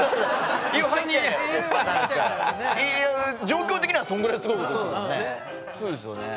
状況的にはそんぐらいすごいことですよね